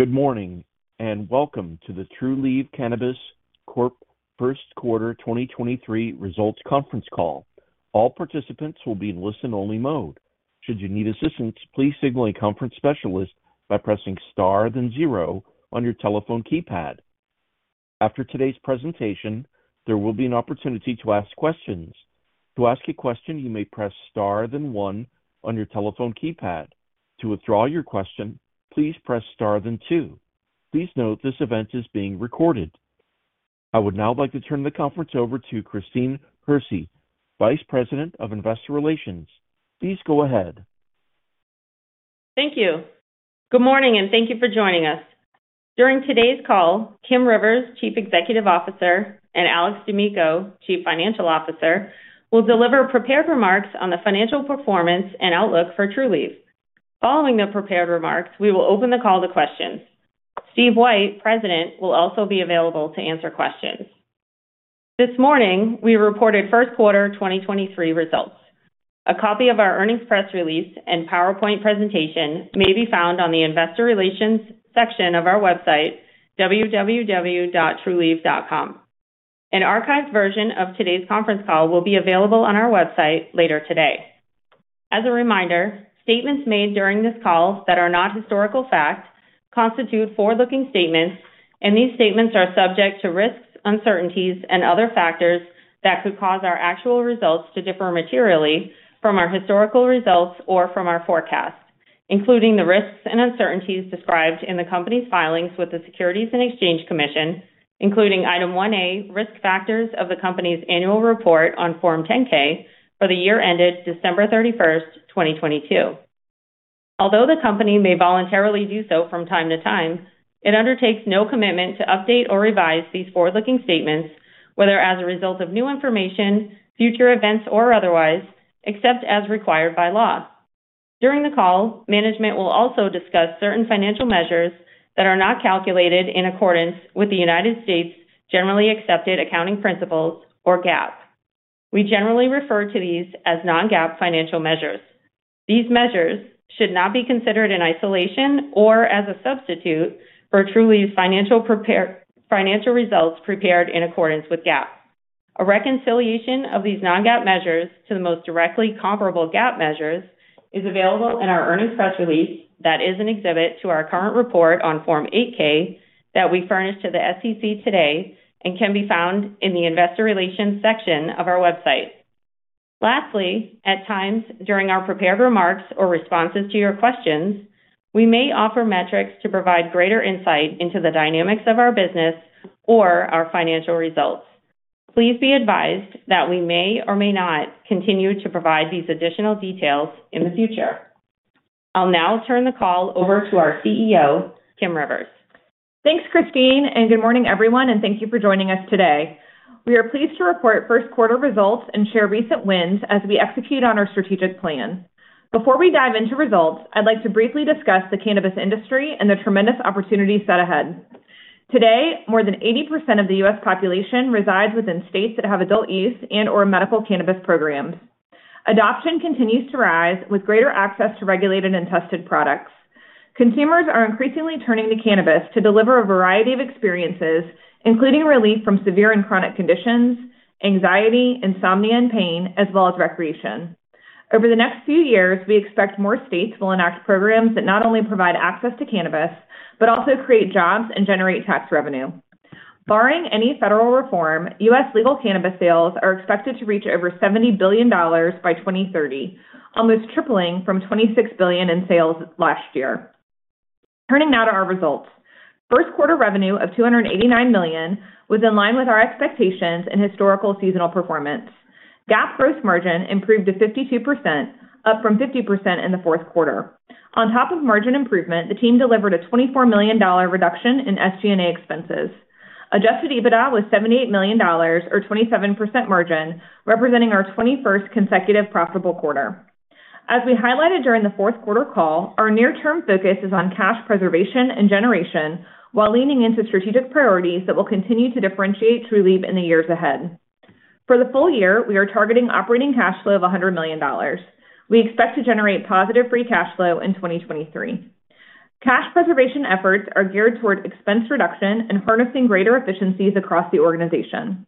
Good morning, and welcome to the Trulieve Cannabis Corp Q1 2023 Results Conference Call. All participants will be in listen-only mode. Should you need assistance, please signal a conference specialist by pressing star then zero on your telephone keypad. After today's presentation, there will be an opportunity to ask questions. To ask a question, you may press star then one on your telephone keypad. To withdraw your question, please press star then two. Please note this event is being recorded. I would now like to turn the conference over to Christine Hersey, Vice President of Investor Relations. Please go ahead. Thank you. Good morning, and thank you for joining us. During today's call, Kim Rivers, Chief Executive Officer, and Alex D'Amico, Chief Financial Officer, will deliver prepared remarks on the financial performance and outlook for Trulieve. Following the prepared remarks, we will open the call to questions. Steve White, President, will also be available to answer questions. This morning, we reported Q1 2023 results. A copy of our earnings press release and PowerPoint presentation may be found on the investor relations section of our website, www.trulieve.com. An archived version of today's conference call will be available on our website later today. As a reminder, statements made during this call that are not historical facts constitute forward-looking statements, and these statements are subject to risks, uncertainties, and other factors that could cause our actual results to differ materially from our historical results or from our forecasts, including the risks and uncertainties described in the company's filings with the Securities and Exchange Commission, including Item 1A, Risk Factors of the Company's Annual Report on Form 10-K for the year ended December 31st, 2022. Although the company may voluntarily do so from time to time, it undertakes no commitment to update or revise these forward-looking statements, whether as a result of new information, future events, or otherwise, except as required by law. During the call, management will also discuss certain financial measures that are not calculated in accordance with the United States generally accepted accounting principles or GAAP. We generally refer to these as non-GAAP financial measures. These measures should not be considered in isolation or as a substitute for Trulieve's financial results prepared in accordance with GAAP. A reconciliation of these non-GAAP measures to the most directly comparable GAAP measures is available in our earnings press release, which is an exhibit to our current report on Form 8-K that we furnished to the SEC today, and can be found in the investor relations section of our website. At times during our prepared remarks or, responses to your questions, we may offer metrics to provide greater insight into the dynamics of our business or our financial results. Please be advised that we may or may not continue to provide these additional details in the future. I'll now turn the call over to our CEO, Kim Rivers. Thanks, Christine. Good morning, everyone, and thank you for joining us today. We are pleased to report Q1 results and share recent wins as we execute on our strategic plan. Before we dive into results, I'd like to briefly discuss the cannabis industry and the tremendous opportunity set ahead. Today, more than 80% of the U.S. population resides within states that have adult use and/or medical cannabis programs. Adoption continues to rise with greater access to regulated and tested products. Consumers are increasingly turning to cannabis to deliver a variety of experiences, including relief from severe and chronic conditions, anxiety, insomnia, and pain, as well as recreation. Over the next few years, we expect more states to enact programs that not only provide access to cannabis but also create jobs and generate tax revenue. Barring any federal reform, U.S. legal cannabis sales are expected to reach over $70 billion by 2030, almost tripling from $26 billion in sales last year. Turning now to our results. First quarter revenue of $289 million was in line with our expectations and historical seasonal performance. GAAP gross margin improved to 52%, up from 50% in the fourth quarter. On top of margin improvement, the team delivered a $24 million reduction in SG&A expenses. Adjusted EBITDA was $78 million or 27% margin, representing our 21st consecutive profitable quarter. As we highlighted during the fourth quarter call, our near-term focus is on cash preservation and generation while leaning into strategic priorities that will continue to differentiate Trulieve in the years ahead. For the full year, we are targeting operating cash flow of $100 million. We expect to generate positive free cash flow in 2023. Cash preservation efforts are geared toward expense reduction and harnessing greater efficiencies across the organization.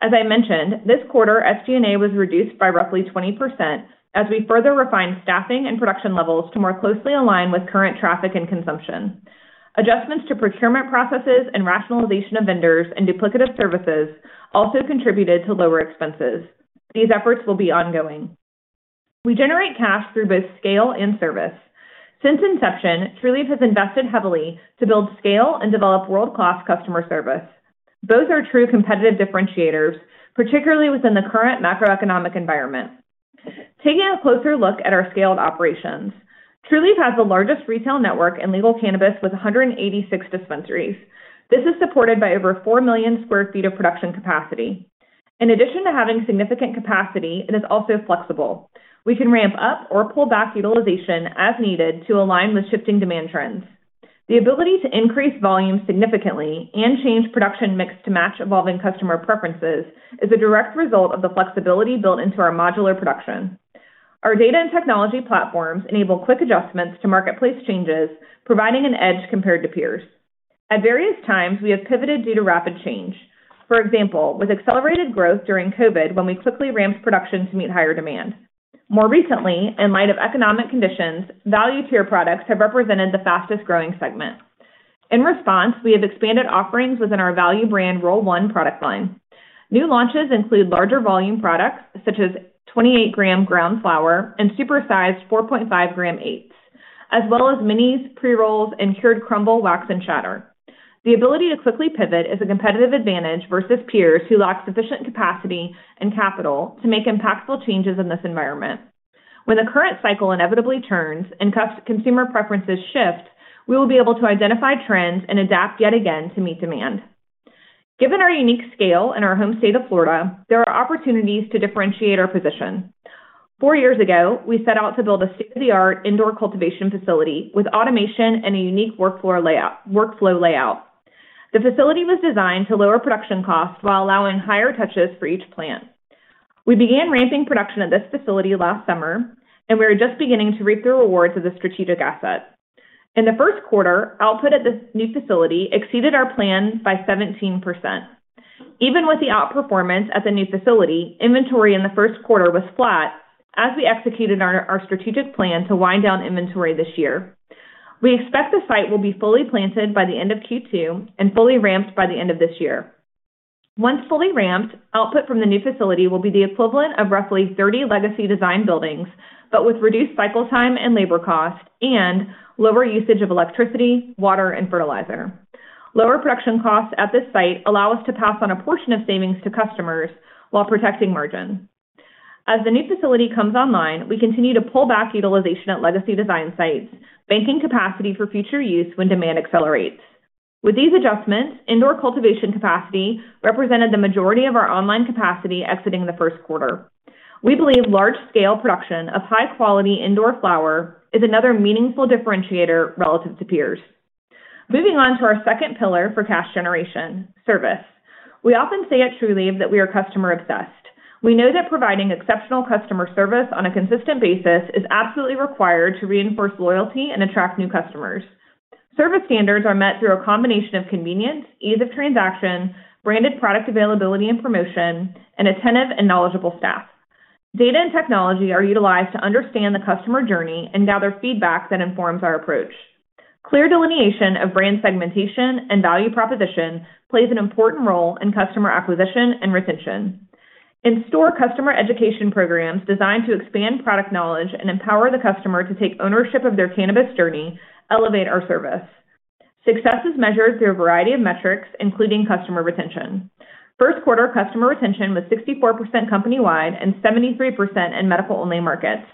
As I mentioned, this quarter, SG&A was reduced by roughly 20% as we further refined staffing and production levels to more closely align with current traffic and consumption. Adjustments to procurement processes and rationalization of vendors and duplicative services also contributed to lower expenses. These efforts will be ongoing. We generate cash through both scale and service. Since inception, Trulieve has invested heavily to build scale and develop world-class customer service. Those are true competitive differentiators, particularly within the current macroeconomic environment. Taking a closer look at our scaled operations. Trulieve has the largest retail network in legal cannabis with 186 dispensaries. This is supported by over four million sq ft of production capacity. In addition to having significant capacity, it is also flexible. We can ramp up or pull back utilization as needed to align with shifting demand trends. The ability to increase volume significantly and change production mix to match evolving customer preferences is a direct result of the flexibility built into our modular production. Our data and technology platforms enable quick adjustments to marketplace changes, providing an edge compared to peers. At various times, we have pivoted due to rapid change. For example, with accelerated growth during COVID, when we quickly ramped production to meet higher demand. More recently, in light of economic conditions, value-tier products have represented the fastest-growing segment. In response, we have expanded offerings within our value brand Roll One product line. New launches include larger volume products such as 28-gram ground flower and super-sized 4.5-gram eighths, as well as minis, pre-rolls, and cured crumble, wax, and shatter. The ability to quickly pivot is a competitive advantage versus peers who lack sufficient capacity and capital to make impactful changes in this environment. When the current cycle inevitably turns and consumer preferences shift, we will be able to identify trends and adapt yet again to meet demand. Given our unique scale in our home state of Florida, there are opportunities to differentiate our position. 4 years ago, we set out to build a state-of-the-art indoor cultivation facility with automation and a unique workflow layout. The facility was designed to lower production costs while allowing higher touches for each plant. We began ramping production at this facility last summer, and we are just beginning to reap the rewards of the strategic asset. In Q1, output at this new facility exceeded our plan by 17%. Even with the outperformance at the new facility, inventory in Q1 was flat as we executed our strategic plan to wind down inventory this year. We expect the site will be fully planted by the end of Q2 and fully ramped by the end of this year. Once fully ramped, output from the new facility will be the equivalent of roughly 30 legacy design buildings, but with reduced cycle time and labor cost, and lower usage of electricity, water, and fertilizer. Lower production costs at this site allow us to pass on a portion of savings to customers while protecting margin. As the new facility comes online, we continue to pull back utilization at legacy design sites, banking capacity for future use when demand accelerates. With these adjustments, indoor cultivation capacity represented the majority of our online capacity exiting Q1. We believe large scale production of high quality indoor flower is another meaningful differentiator relative to peers. Moving on to our second pillar for cash generation: service. We often say at Trulieve that we are customer-obsessed. We know that providing exceptional customer service on a consistent basis is absolutely required to reinforce loyalty and attract new customers. Service standards are met through a combination of convenience, ease of transaction, branded product availability and promotion, and attentive and knowledgeable staff. Data and technology are utilized to understand the customer journey and gather feedback that informs our approach. Clear delineation of brand segmentation and value proposition plays an important role in customer acquisition and retention. In-store customer education programs designed to expand product knowledge and empower the customer to take ownership of their cannabis journey elevate our service. Success is measured through a variety of metrics, including customer retention. Q1 customer retention was 64% company-wide and 73% in medical-only markets.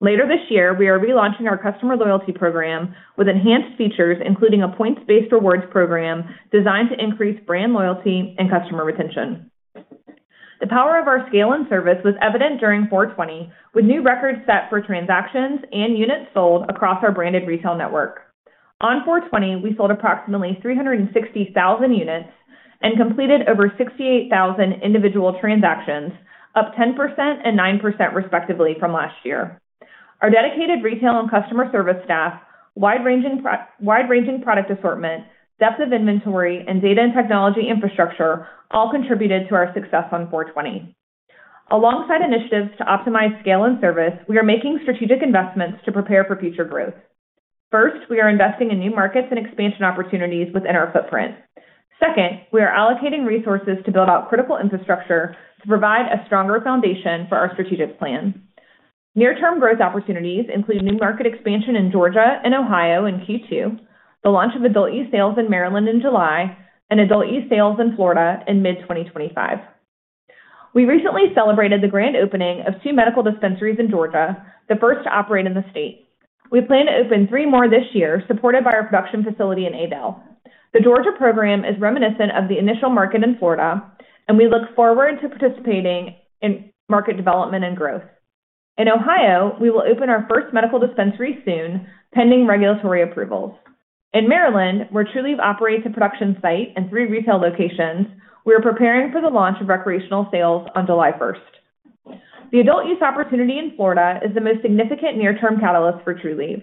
Later this year, we are relaunching our customer loyalty program with enhanced features, including a points-based rewards program designed to increase brand loyalty and customer retention. The power of our scale and service was evident during 4/20, with new records set for transactions and units sold across our branded retail network. On 4/20, we sold approximately 360,000 units and completed over 68,000 individual transactions, up 10% and 9% respectively from last year. Our dedicated retail and customer service staff, wide-ranging product assortment, depth of inventory, and data and technology infrastructure all contributed to our success on 4/20. Alongside initiatives to optimize scale and service, we are making strategic investments to prepare for future growth. First, we are investing in new markets and expansion opportunities within our footprint. Second, we are allocating resources to build out critical infrastructure to provide a stronger foundation for our strategic plan. Near-term growth opportunities include new market expansion in Georgia and Ohio in Q2, the launch of adult use sales in Maryland in July, and adult use sales in Florida in mid-2025. We recently celebrated the grand opening of two medical dispensaries in Georgia, the first to operate in the state. We plan to open three more this year, supported by our production facility in Adel. The Georgia program is reminiscent of the initial market in Florida, and we look forward to participating in market development and growth. In Ohio, we will open our first medical dispensary soon, pending regulatory approvals. In Maryland, where Trulieve operates a production site and three retail locations, we are preparing for the launch of recreational sales on July 1st. The adult use opportunity in Florida is the most significant near-term catalyst for Trulieve.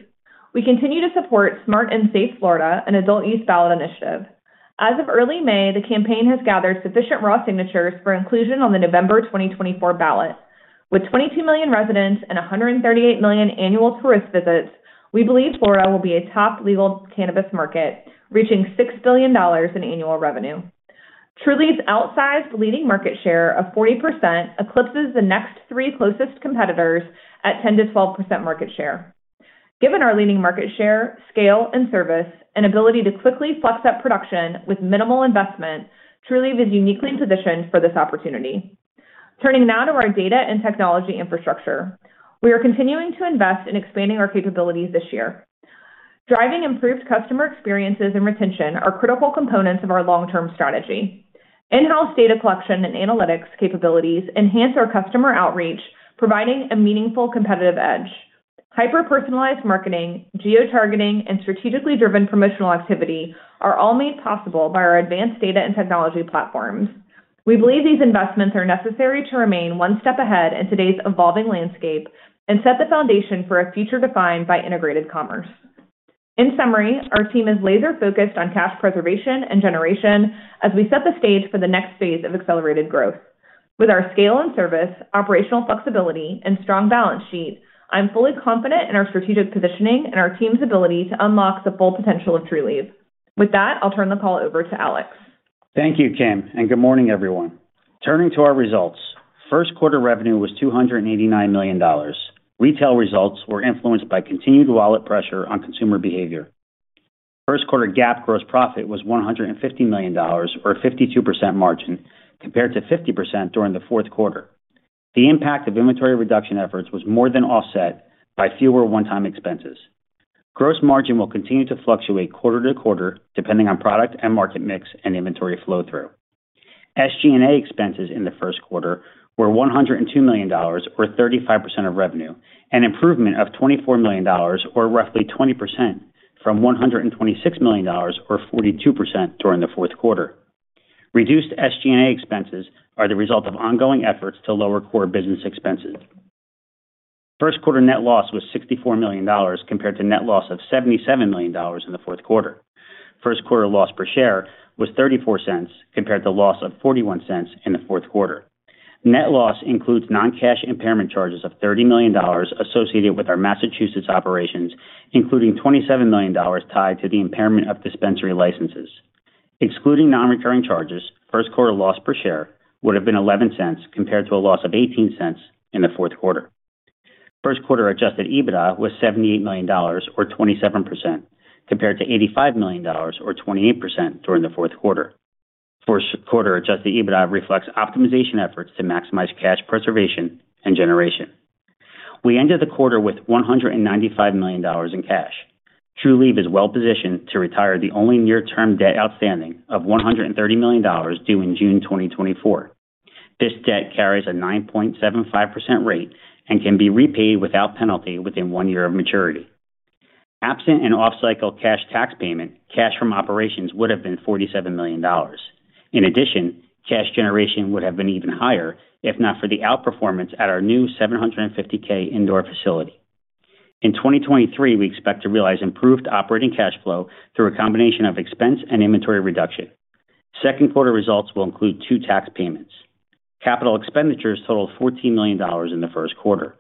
We continue to support Smart & Safe Florida, an adult use ballot initiative. As of early May, the campaign has gathered sufficient raw signatures for inclusion on the November 2024 ballot. With 22 million residents and 138 million annual tourist visits, we believe Florida will be a top legal cannabis market, reaching $6 billion in annual revenue. Trulieve's outsized leading market share of 40% eclipses the next three closest competitors at 10%-12% market share. Given our leading market share, scale, and service, and ability to quickly flex up production with minimal investment, Trulieve is uniquely positioned for this opportunity. Turning now to our data and technology infrastructure. We are continuing to invest in expanding our capabilities this year. Driving improved customer experiences and retention are critical components of our long-term strategy. In-house data collection and analytics capabilities enhance our customer outreach, providing a meaningful competitive edge. Hyper-personalized marketing, geotargeting, and strategically driven promotional activity are all made possible by our advanced data and technology platforms. We believe these investments are necessary to remain one step ahead in today's evolving landscape and set the foundation for a future defined by integrated commerce. In summary, our team is laser-focused on cash preservation and generation as we set the stage for the next phase of accelerated growth. With our scale and service, operational flexibility, and strong balance sheet, I'm fully confident in our strategic positioning and our team's ability to unlock the full potential of Trulieve. With that, I'll turn the call over to Alex. Thank you, Kim. Good morning, everyone. Turning to our results, Q1 revenue was $289 million. Retail results were influenced by continued wallet pressure on consumer behavior. First quarter GAAP gross profit was $150 million, or 52% margin, compared to 50% during the fourth quarter. The impact of inventory reduction efforts was more than offset by fewer one-time expenses. Gross margin will continue to fluctuate quarter to quarter depending on product and market mix and inventory flow through. SG&A expenses in Q1 were $102 million, or 35% of revenue, an improvement of $24 million or roughly 20% from $126 million or 42% during the fourth quarter. Reduced SG&A expenses are the result of ongoing efforts to lower core business expenses. First quarter net loss was $64 million compared to net loss of $77 million in the fourth quarter. First quarter loss per share was $0.34 compared to loss of $0.41 in the fourth quarter. Net loss includes non-cash impairment charges of $30 million associated with our Massachusetts operations, including $27 million tied to the impairment of dispensary licenses. Excluding non-recurring charges, Q1 loss per share would have been $0.11 compared to a loss of $0.18 in the fourth quarter. First quarter Adjusted EBITDA was $78 million or 27% compared to $85 million or 28% during the fourth quarter. First quarter Adjusted EBITDA reflects optimization efforts to maximize cash preservation and generation. We ended the quarter with $195 million in cash. Trulieve is well-positioned to retire the only near-term debt outstanding of $130 million due in June 2024. This debt carries a 9.75% rate and can be repaid without penalty within one year of maturity. Absent an off-cycle cash tax payment, cash from operations would have been $47 million. In addition, cash generation would have been even higher if not for the outperformance at our new 750K indoor facility. In 2023, we expect to realize improved operating cash flow through a combination of expense and inventory reduction. Second quarter results will include two tax payments. Capital expenditures totaled $14 million in Q1.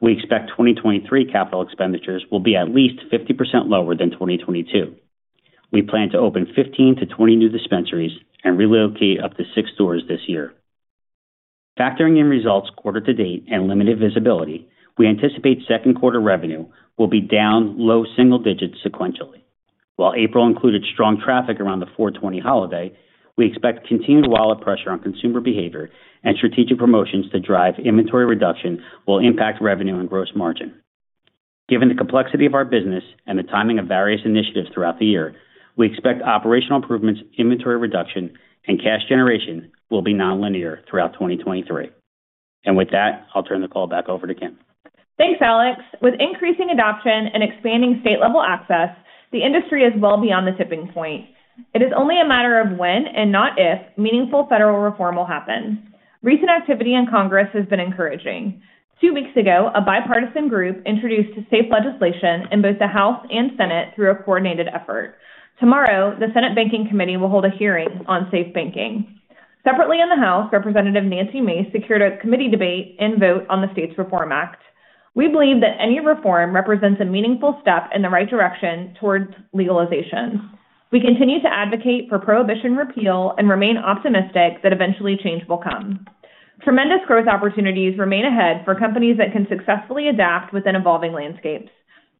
We expect 2023 capital expenditures will be at least 50% lower than 2022. We plan to open 15-20 new dispensaries and relocate up to six stores this year. Factoring in results quarter to date and limited visibility, we anticipate Q2 revenue will be down low single digits sequentially. While April included strong traffic around the 4/20 holiday, we expect continued wallet pressure on consumer behavior and strategic promotions to drive inventory reduction will impact revenue and gross margin. Given the complexity of our business and the timing of various initiatives throughout the year, we expect operational improvements, inventory reduction, and cash generation will be nonlinear throughout 2023. With that, I'll turn the call back over to Kim. Thanks, Alex. With increasing adoption and expanding state-level access, the industry is well beyond the tipping point. It is only a matter of when and not if meaningful federal reform will happen. Recent activity in Congress has been encouraging. Two weeks ago, a bipartisan group introduced SAFE legislation in both the House and Senate through a coordinated effort. Tomorrow, the Senate Banking Committee will hold a hearing on SAFE Banking. Separately in the House, Representative Nancy Mace secured a committee debate and vote on the States Reform Act. We believe that any reform represents a meaningful step in the right direction towards legalization. We continue to advocate for prohibition repeal and remain optimistic that eventually change will come. Tremendous growth opportunities remain ahead for companies that can successfully adapt within evolving landscapes.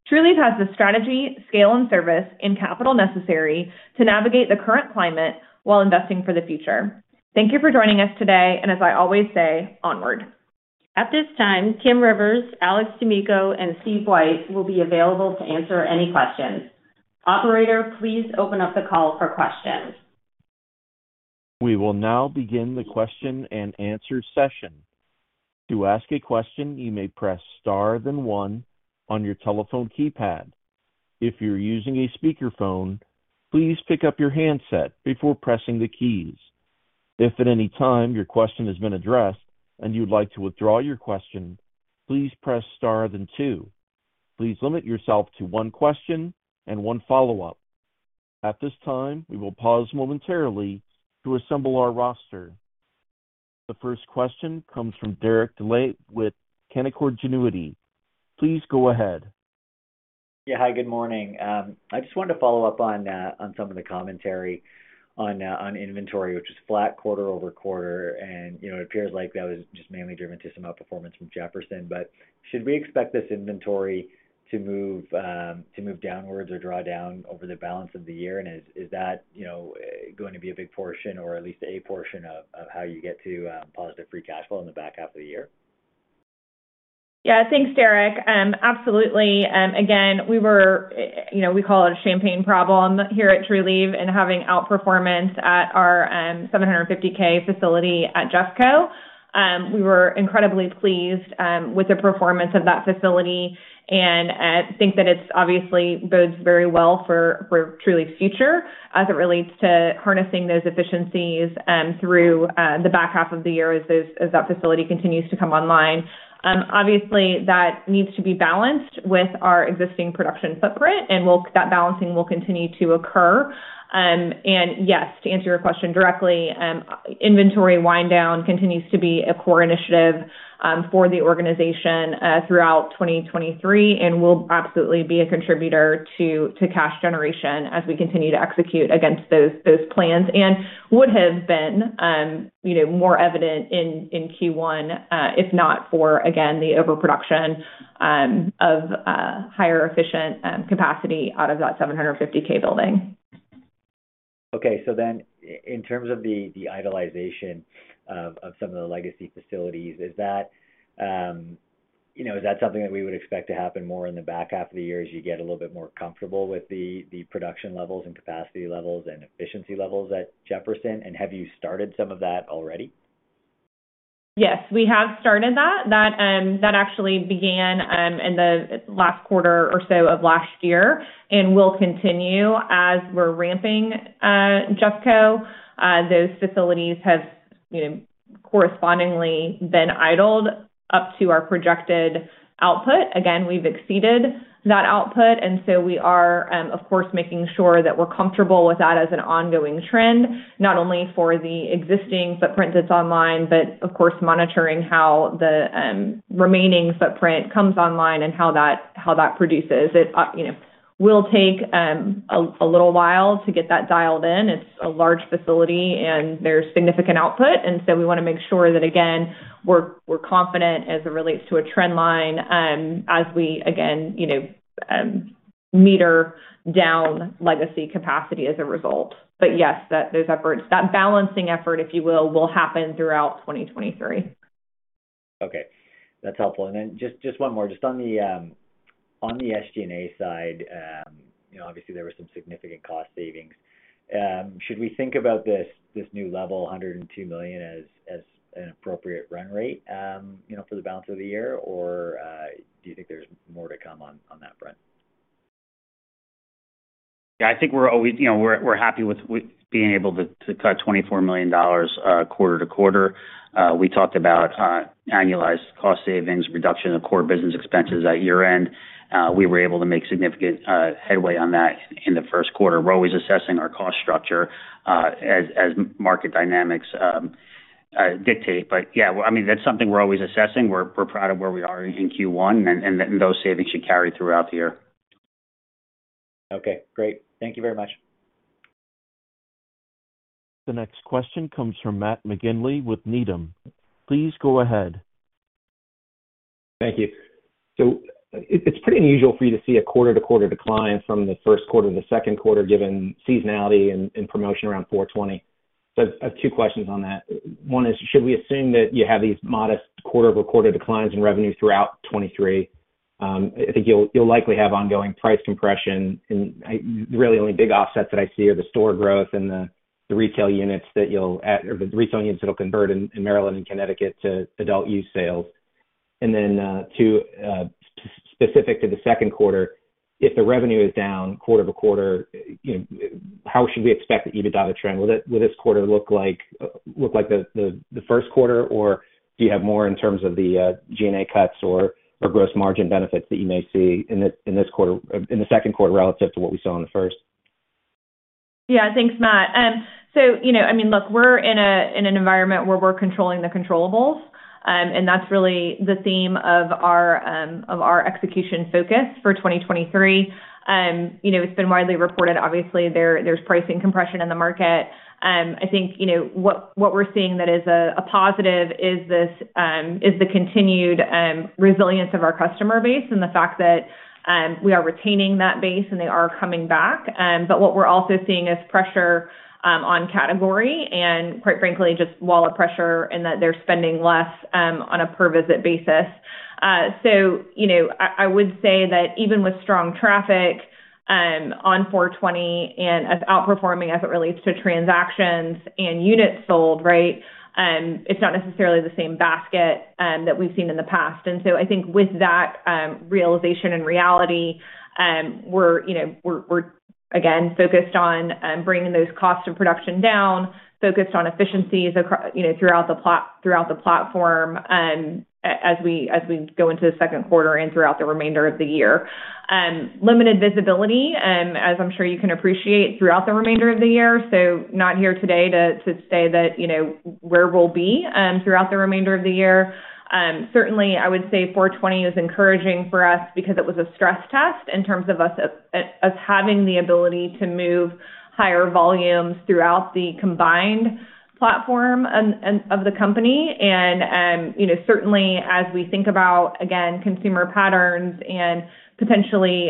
Trulieve has the strategy, scale, and service and capital necessary to navigate the current climate while investing for the future. Thank you for joining us today, and as I always say, onward. At this time, Kim Rivers, Alex D'Amico, and Steve White will be available to answer any questions. Operator, please open up the call for questions. We will now begin the Q&A session. To ask a question, you may press star then one on your telephone keypad. If you're using a speakerphone, please pick up your handset before pressing the keys. If at any time your question has been addressed and you would like to withdraw your question, please press star then two. Please limit yourself to one question and one follow-up. At this time, we will pause momentarily to assemble our roster. The first question comes from Derek Dley with Canaccord Genuity. Please go ahead. Yeah. Hi, good morning. I just wanted to follow up on some of the commentary on inventory, which was flat quarter-over-quarter. You know, it appears like that was just mainly driven to some outperformance from Jefferson. Should we expect this inventory to move downwards or draw down over the balance of the year? Is that, you know, going to be a big portion or at least a portion of how you get to positive free cash flow in the back half of the year? Yeah. Thanks, Derek. Absolutely. Again, we were, you know, we call it a champagne problem here at Trulieve and having outperformance at our 750K facility at Jeffco. We were incredibly pleased with the performance of that facility and think that it's obviously bodes very well for Trul's future as it relates to harnessing those efficiencies through the back half of the year as that facility continues to come online. Obviously, that needs to be balanced with our existing production footprint, and that balancing will continue to occur. Yes, to answer your question directly, inventory wind down continues to be a core initiative for the organization throughout 2023, and will absolutely be a contributor to cash generation as we continue to execute against those plans. Would have been, you know, more evident in Q1, if not for, again, the overproduction of higher efficient capacity out of that 750K building. Okay. In terms of the rationalization of some of the legacy facilities, is that, you know, is that something that we would expect to happen more in the back half of the year as you get a little bit more comfortable with the production levels and capacity levels and efficiency levels at Jefferson? Have you started some of that already? Yes, we have started that. That actually began in the last quarter or so of last year. Will continue as we're ramping up Jeffco. Those facilities have, you know, correspondingly been idled up to our projected output. Again, we've exceeded that output. We are, of course, making sure that we're comfortable with that as an ongoing trend, not only for the existing footprint that's online, but of course, monitoring how the remaining footprint comes online and how that produces. It, you know, will take a little while to get that dialed in. It's a large facility, and there's significant output. We wanna make sure that, again, we're confident as it relates to a trend line, as we again, you know, meter down legacy capacity as a result. Yes, those efforts, that balancing effort, if you will happen throughout 2023. Okay. That's helpful. Just one more. Just on the SG&A side, you know, obviously there were some significant cost savings. Should we think about this new level, $102 million, as an appropriate run rate, you know, for the balance of the year? Or do you think there's more to come on that front? Yeah, I think we're always, you know, we're happy with being able to cut $24 million quarter-over-quarter. We talked about annualized cost savings, reduction of core business expenses at year-end. We were able to make significant headway on that in Q1. We're always assessing our cost structure as market dynamics dictate. Yeah, I mean, that's something we're always assessing. We're proud of where we are in Q1, and those savings should carry throughout the year. Okay, great. Thank you very much. The next question comes from Matt McGinley with Needham. Please go ahead. Thank you. It's pretty unusual for you to see a quarter-to-quarter decline from Q1 to Q2, given seasonality and promotion around 4/20. I have two questions on that. One is, should we assume that you have these modest quarter-over-quarter declines in revenue throughout 2023? I think you'll likely have ongoing price compression, and really only big offsets that I see are the store growth and the retail units that you'll or the retail units that'll convert in Maryland and Connecticut to adult use sales. Two, specific to Q2, if the revenue is down quarter over quarter, you know, how should we expect the EBITDA to trend? Will this quarter look like Q1, or do you have more in terms of the G&A cuts or gross margin benefits that you may see in this quarter in Q2 relative to what we saw in the first? Yeah. Thanks, Matt. You know, I mean, look, we're in an environment where we're controlling the controllables, and that's really the theme of our, of our execution focus for 2023. You know, it's been widely reported; obviously, there's pricing compression in the market. I think, you know, what we're seeing that is a positive is this, is the continued resilience of our customer base and the fact that, we are retaining that base and they are coming back. What we're also seeing is pressure on category and quite frankly, just wallet pressure and that they're spending less, on a per visit basis. You know, I would say that even with strong traffic, on 4/20 and us outperforming as it relates to transactions and units sold, right. It's not necessarily the same basket that we've seen in the past. I think with that realization and reality, we're, you know, we're again, focused on bringing those costs of production down, focused on efficiencies throughout the platform, as we go into Q2 and throughout the remainder of the year. Limited visibility, as I'm sure you can appreciate, throughout the remainder of the year, so not here today to say that, you know, where we'll be throughout the remainder of the year. Certainly I would say 4/20 is encouraging for us because it was a stress test in terms of us having the ability to move higher volumes throughout the combined platform of the company. You know, certainly as we think about, again, consumer patterns and potentially,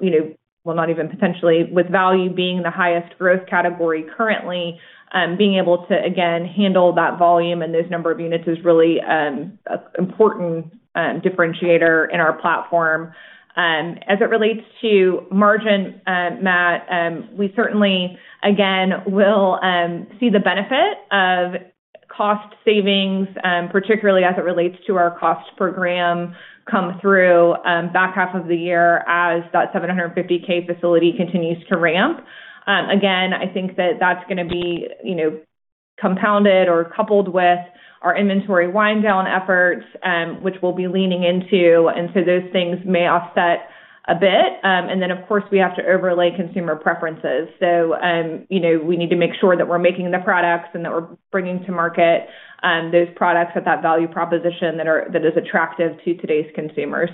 you know, not even potentially, with value being the highest growth category currently, being able to again handle that volume and those number of units is really an important differentiator in our platform. As it relates to margin, Matt, we certainly, again, will see the benefit of cost savings, particularly as it relates to our cost per gram come through back half of the year as that 750K facility continues to ramp. Again, I think that that's gonna be, you know, compounded or coupled with our inventory wind down efforts, which we'll be leaning into, and so those things may offset a bit. Of course, we have to overlay consumer preferences. You know, we need to make sure that we're making the products and that we're bringing to market, those products with that value proposition that is attractive to today's consumer.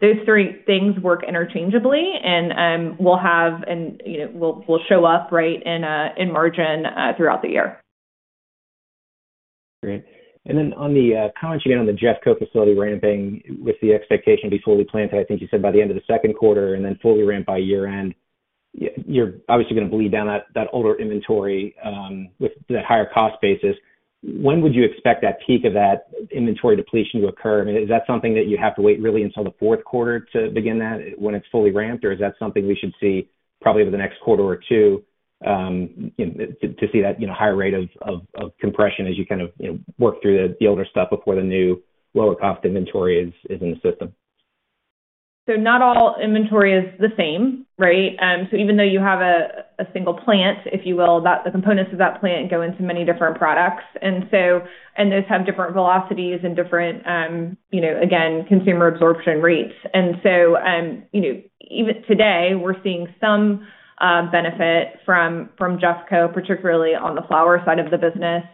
Those three things work interchangeably, and, you know, we'll have, and, you know, will show up right in margin throughout the year. Great. Then on the comment you gave on the Jeffco facility ramping with the expectation to be fully planted, I think you said by the end of Q2, and then fully ramped by year-end. You're obviously gonna bleed down that older inventory with the higher cost basis. When would you expect that peak of that inventory depletion to occur? I mean, is that something that you have to wait really until the fourth quarter to begin that when it's fully ramped, or is that something we should see probably over the next quarter or two, you know, to see that, you know, higher rate of compression as you kind of, you know, work through the older stuff before the new lower cost inventory is in the system? Not all inventory is the same, right? Even though you have a single plant, if you will, that the components of that plant go into many different products. Those have different velocities and different, you know, again, consumer absorption rates. You know, even today, we're seeing some benefit from Jeffco, particularly on the flower side of the business.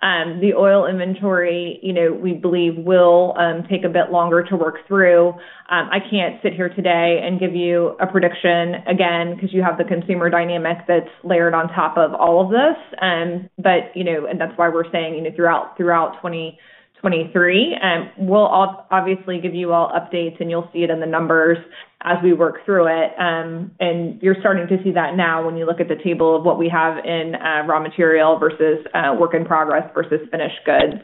The oil inventory, you know, we believe will take a bit longer to work through. I can't sit here today and give you a prediction again 'cause you have the consumer dynamic that's layered on top of all of this. You know, and that's why we're saying, you know, throughout 2023. We'll obviously give you all updates, and you'll see it in the numbers as we work through it. You're starting to see that now when you look at the table of what we have in raw material versus work in progress versus finished goods.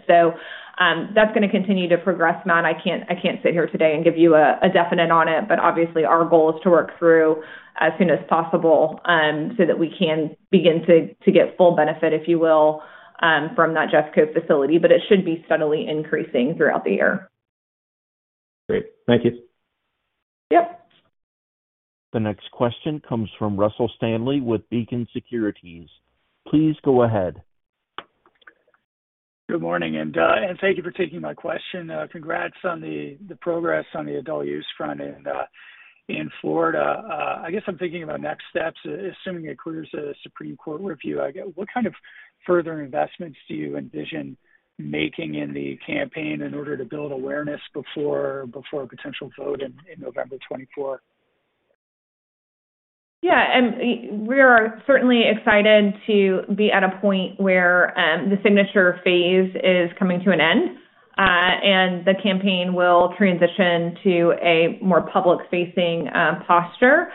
That's gonna continue to progress, Matt. I can't sit here today and give you a definite on it, but obviously, our goal is to work through as soon as possible, so that we can begin to get full benefit, if you will, from that Jeffco facility, but it should be steadily increasing throughout the year. Great. Thank you. Yep. The next question comes from Russell Stanley with Beacon Securities. Please go ahead. Good morning, and thank you for taking my question. Congrats on the progress on the adult use front in Florida. I guess I'm thinking about next steps, assuming it clears the Supreme Court review, what kind of further investments do you envision making in the campaign in order to build awareness before a potential vote in November 2024? Yeah. We are certainly excited to be at a point where the signature phase is coming to an end, and the campaign will transition to a more public-facing posture,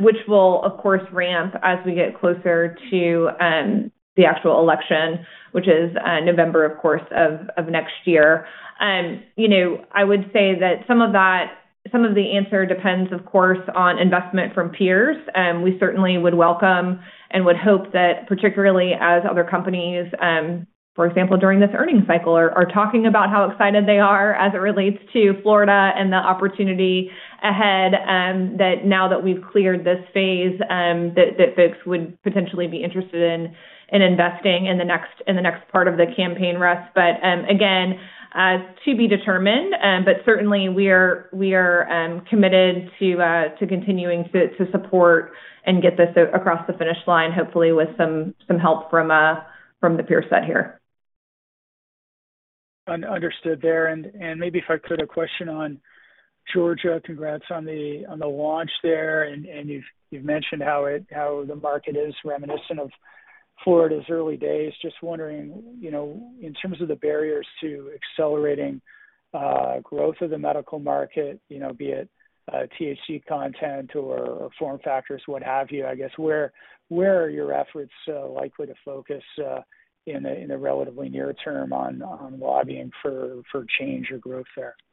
which will of course ramp as we get closer to the actual election, which is November of next year. You know, I would say that some of the answer depends of course on investment from peers. We certainly would welcome and would hope that particularly as other companies, for example, during this earnings cycle are talking about how excited they are as it relates to Florida and the opportunity ahead, that now that we've cleared this phase, that folks would potentially be interested in investing in the next part of the campaign rest. Again, to be determined. Certainly we are committed to continuing to support and get this across the finish line, hopefully with some help from the peer set here. Un-understood there. Maybe if I could, a question on Georgia. Congrats on the launch there. You've mentioned how the market is reminiscent of Florida's early days. Just wondering, you know, in terms of the barriers to accelerating growth of the medical market, you know, be it THC content or form factors, what have you, I guess, where are your efforts likely to focus in a relatively near term on lobbying for change or growth there? Yeah.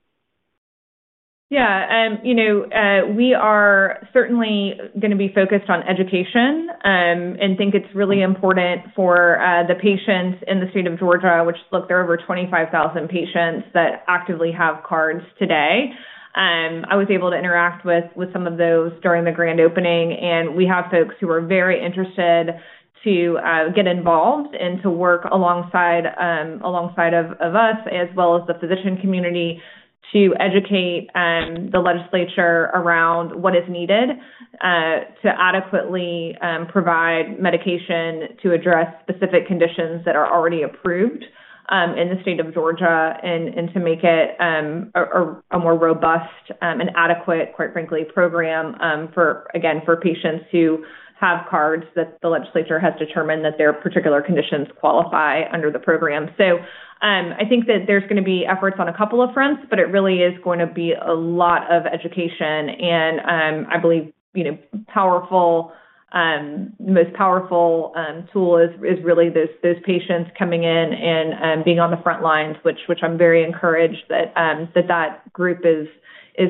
You know, we are certainly gonna be focused on education, and think it's really important for the patients in the state of Georgia, which look, there are over 25,000 patients that actively have cards today. I was able to interact with some of those during the grand opening, and we have folks who are very interested to get involved and to work alongside alongside of us as well as the physician community to educate the legislature around what is needed to adequately provide medication to address specific conditions that are already approved in the state of Georgia and to make it a more robust and adequate, quite frankly, program for again, for patients who have cards that the legislature has determined that their particular conditions qualify under the program. I think that there's gonna be efforts on a couple of fronts, but it really is going to be a lot of education and, I believe, you know, powerful, most powerful, tool is really those patients coming in and being on the front lines, which I'm very encouraged that that group is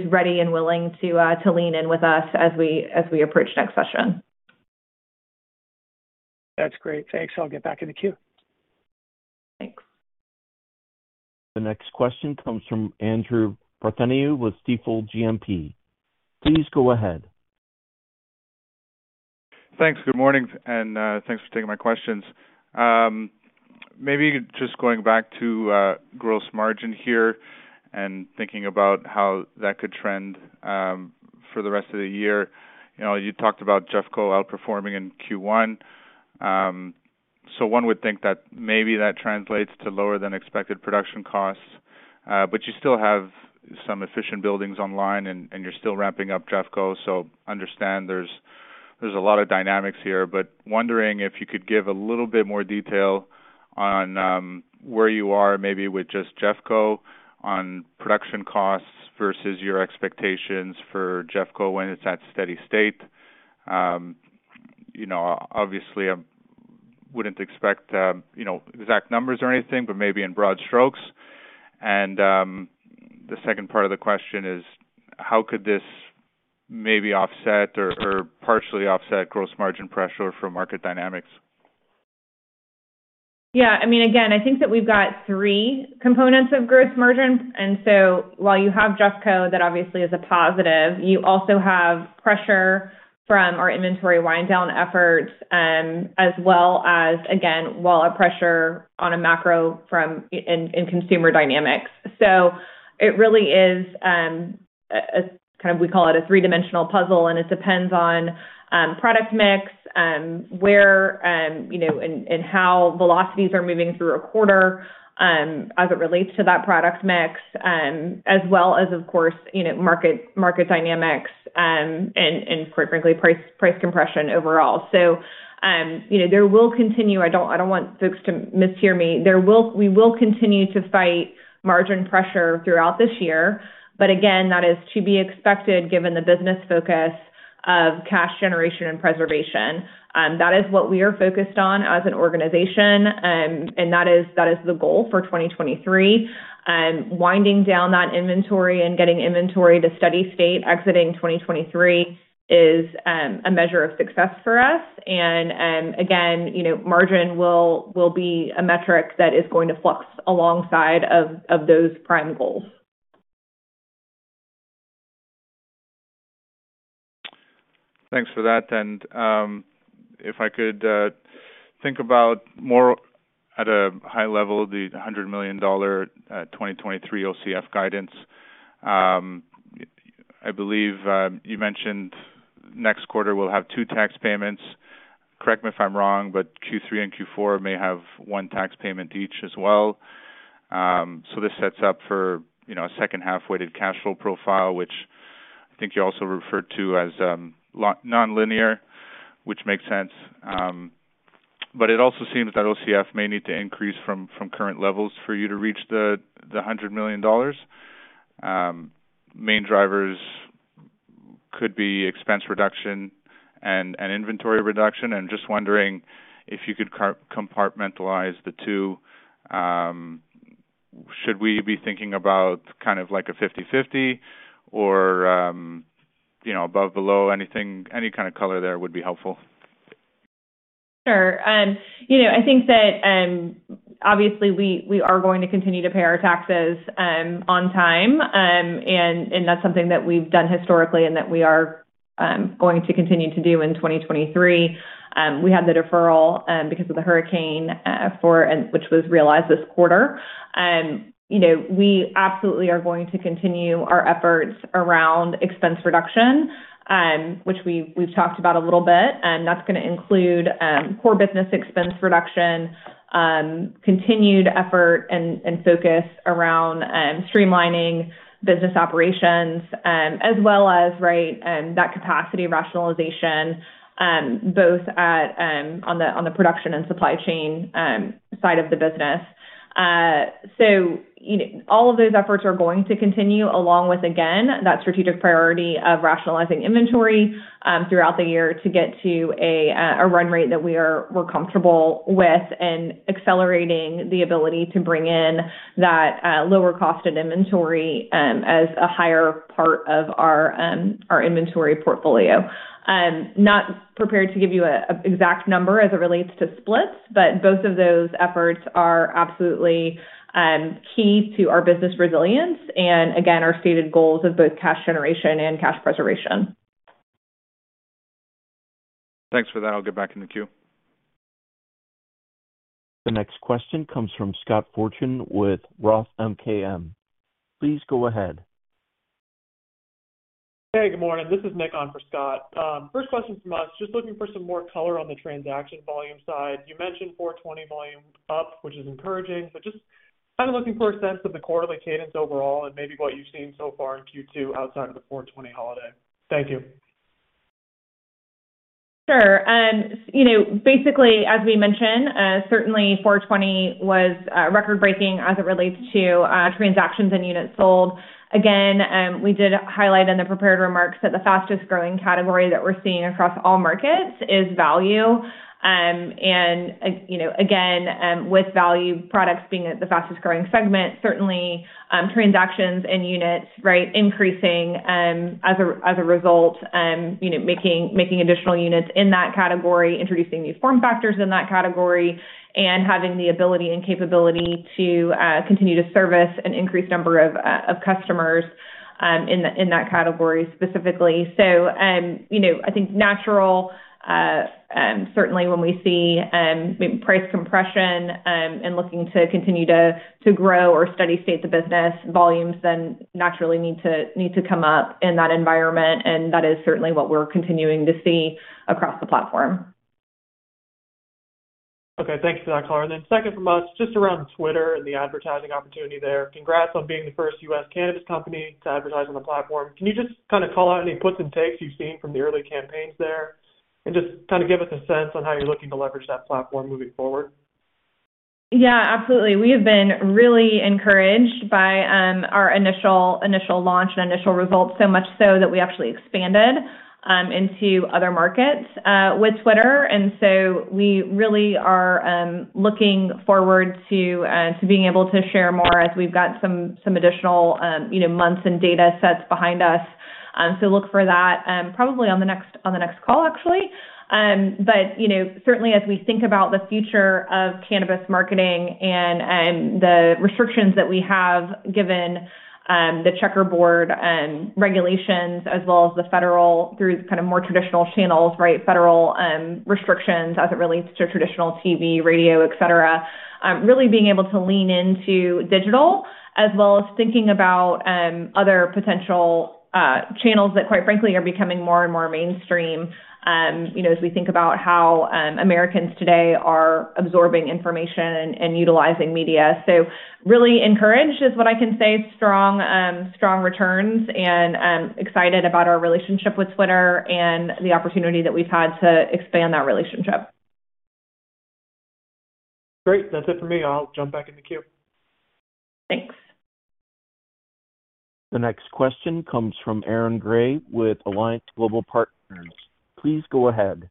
ready and willing to lean in with us as we approach next session. That's great. Thanks. I'll get back in the queue. Thanks. The next question comes from Andrew Partheniou with Stifel GMP. Please go ahead. Thanks. Good morning, and thanks for taking my questions. Maybe just going back to gross margin here and thinking about how that could trend for the rest of the year. You know, you talked about Jeffco outperforming in Q1. One would think that maybe that translates to lower than expected production costs. You still have some efficient buildings online and you're still ramping up Jeffco. Understand there's a lot of dynamics here. Wondering if you could give a little bit more detail on where you are maybe with just Jeffco on production costs versus your expectations for Jeffco when it's at steady state. You know, obviously I wouldn't expect, you know, exact numbers or anything, but maybe in broad strokes. The second part of the question is: how could this maybe offset or partially offset gross margin pressure from market dynamics? Yeah, I mean, again, I think that we've got three components of gross margin. While you have Jeffco, that obviously is a positive, you also have pressure from our inventory wind-down efforts, as well as again, wallet pressure on a macro from consumer dynamics. It really is a kind of we call it a three-dimensional puzzle, and it depends on product mix, where, you know, and how velocities are moving through a quarter, as it relates to that product mix, as well as of course, you know, market dynamics, and quite frankly, price compression overall. You know, it will continue. I don't want folks to mishear me. We will continue to fight margin pressure throughout this year; again, that is to be expected given the business focus of cash generation and preservation. That is what we are focused on as an organization. That is the goal for 2023. Winding down that inventory and getting inventory to steady state exiting 2023 is a measure of success for us. Again, you know, margin will be a metric that is going to flux alongside of those prime goals. Thanks for that. If I could think about more at a high level, the $100 million 2023 OCF guidance. I believe you mentioned next quarter we'll have two tax payments. Correct me if I'm wrong, but Q3 and Q4 may have one payment each as well. This sets up for, you know, a second half-weighted cash flow profile, which I think you also referred to as nonlinear, which makes sense. It also seems that OCF may need to increase from current levels for you to reach the $100 million. Main drivers could be expense reduction and inventory reduction. Just wondering if you could compartmentalize the two. Should we be thinking about kind of like a 50/50 or, you know, above, below? Anything, any kind of color there would be helpful. Sure. You know, I think that, obviously we are going to continue to pay our taxes on time. That's something that we've done historically and that we are going to continue to do in 2023. We had the deferral because of the hurricane, for which was realized this quarter. You know, we absolutely are going to continue our efforts around expense reduction, which we've talked about a little bit. That's gonna include core business expense reduction, continued effort and focus around streamlining business operations, as well as, right, that capacity rationalization both on the production and supply chain side of the business. You know, all of those efforts are going to continue along with, again, that strategic priority of rationalizing inventory throughout the year to get to a run rate that we're comfortable with and accelerating the ability to bring in that lower cost and inventory as a higher part of our inventory portfolio. Not prepared to give you an exact number as it relates to splits, but both of those efforts are absolutely key to our business resilience and again, our stated goals of both cash generation and cash preservation. Thanks for that. I'll get back in the queue. The next question comes from Scott Fortune with ROTH MKM. Please go ahead. Hey, good morning. This is Nick on for Scott. First question from us. Just looking for some more color on the transaction volume side. You mentioned 4/20 volume up, which is encouraging, but just kind of looking for a sense of the quarterly cadence overall and maybe what you've seen so far in Q2 outside of the 4/20 holiday. Thank you. Sure. you know, basically, as we mentioned, certainly 4/20 was record-breaking as it relates to transactions and units sold. Again, we did highlight in the prepared remarks that the fastest growing category that we're seeing across all markets is value. You know, again, with value products being the fastest growing segment, certainly, transactions and units, right, increasing, as a result, you know, making additional units in that category, introducing new form factors in that category, and having the ability and capability to continue to service an increased number of customers. In that category specifically. You know, I think natural, certainly when we see price compression, and looking to continue to grow or steady state the business, volumes then naturally need to come up in that environment, and that is certainly what we're continuing to see across the platform. Okay. Thanks for that, Carla. Second from us, just around Twitter and the advertising opportunity there. Congrats on being the first U.S. cannabis company to advertise on the platform. Can you just kinda call out any puts and takes you've seen from the early campaigns there? Just kinda give us a sense on how you're looking to leverage that platform moving forward. Yeah, absolutely. We have been really encouraged by our initial launch and initial results, so much so that we actually expanded into other markets with Twitter. We really are looking forward to being able to share more as we've got some additional, you know, months and data sets behind us. Look for that probably on the next call actually. You know, certainly as we think about the future of cannabis marketing and the restrictions that we have given the checkerboard and regulations as well as the federal through kind of more traditional channels, right? Federal restrictions as it relates to traditional TV, radio, et cetera, really being able to lean into digital as well as thinking about other potential channels that quite frankly are becoming more and more mainstream, you know, as we think about how Americans today are absorbing information and utilizing media. Really encouraged is what I can say. Strong returns, and excited about our relationship with Twitter and the opportunity that we've had to expand that relationship. Great. That's it for me. I'll jump back in the queue. Thanks. The next question comes from Aaron Grey with Alliance Global Partners. Please go ahead.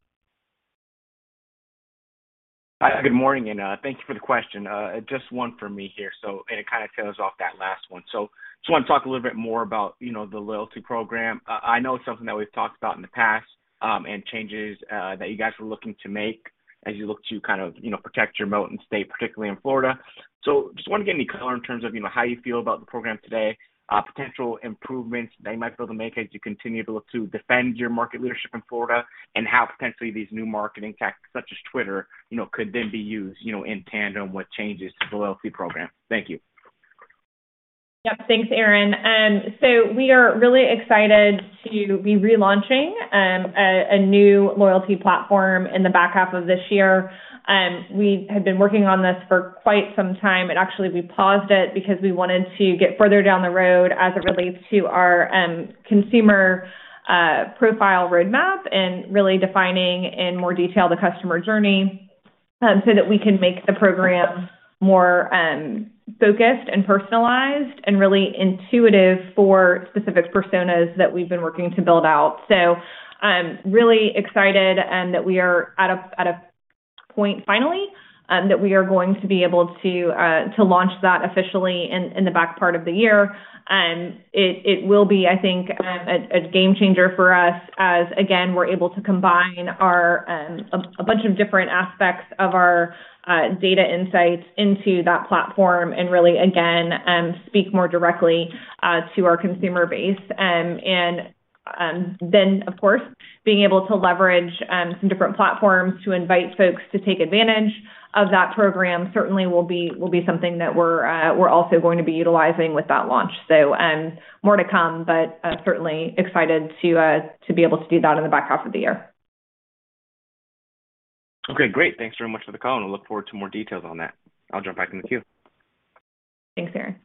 Hi, good morning, and, thank you for the question. Just one for me here, so... It kinda tails off that last one. Just wanna talk a little bit more about, you know, the loyalty program. I know it's something that we've talked about in the past, and changes that you guys were looking to make as you look to kind of, you know, protect your moat and stay particularly in Florida. Just wanna get any color in terms of, you know, how you feel about the program today, potential improvements that you might be able to make as you continue to look to defend your market leadership in Florida, and how potentially these new marketing tactics such as Twitter, you know, could then be used, you know, in tandem with changes to the loyalty program. Thank you. Yep. Thanks, Aaron. We are really excited to be relaunching a new loyalty platform in the back half of this year. We have been working on this for quite some time, and actually we paused it because we wanted to get further down the road as it relates to our consumer profile roadmap and really defining in more detail the customer journey so that we can make the program more focused and personalized and really intuitive for specific personas that we've been working to build out. Really excited that we are at a point finally that we are going to be able to launch that officially in the back part of the year. It will be, I think, a game changer for us as, again, we're able to combine our, a bunch of different aspects of our, data insights into that platform and really, again, speak more directly to our consumer base. Then of course, being able to leverage, some different platforms to invite folks to take advantage of that program certainly will be something that we're also going to be utilizing with that launch. More to come, but, certainly excited to be able to do that in the back half of the year. Okay, great. Thanks very much for the call, and I look forward to more details on that. I'll jump back in the queue. Thanks, Aaron.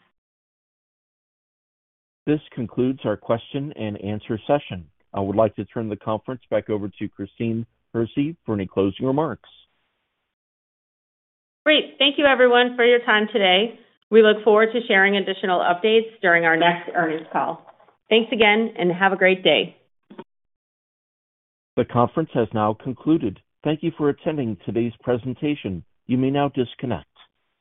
This concludes our Q&A session. I would like to turn the conference back over to Christine Hersey for any closing remarks. Great. Thank you everyone for your time today. We look forward to sharing additional updates during our next earnings call. Thanks again, and have a great day. The conference has now concluded. Thank you for attending today's presentation. You may now disconnect.